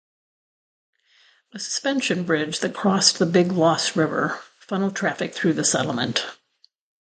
A suspension bridge that crossed the Big Lost River funnelled traffic through the settlement.